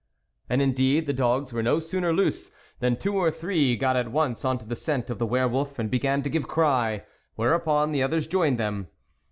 And, indeed, the dogs were no sooner loose, than two or three got at once on to the scent of the were wolf, and began to give cry, whereupon the others joined them.